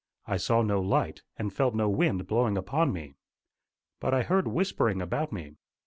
I saw no light, and felt no wind blowing upon me. But I heard whispering about me.